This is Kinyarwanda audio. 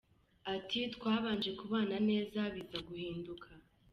Ati “Twabanje kubana neza biza guhinduka.